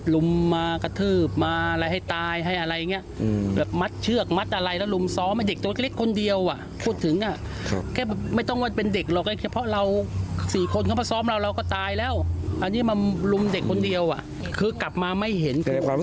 รู้สึกที่น้องน่าจะมาแบบไหน